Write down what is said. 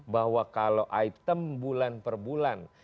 bahwa kalau item bulan per bulan